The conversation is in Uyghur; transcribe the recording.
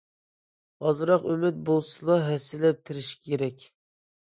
ئازراق ئۈمىد بولسىلا، ھەسسىلەپ تىرىشىش كېرەك.